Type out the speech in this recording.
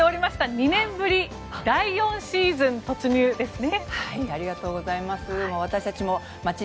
２年ぶりの第４シーズン突入ですね。